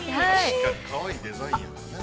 ◆確かにかわいいデザインやからね。